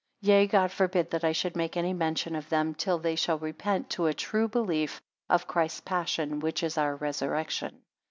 11 Yea, God forbid that I should make any mention of them, till they shall repent to a true belief of Christ's passion, which is our resurrection.